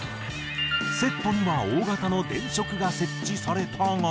セットには大型の電飾が設置されたが。